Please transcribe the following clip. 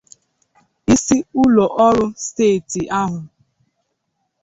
isi ụlọọrụ steeti ahụ.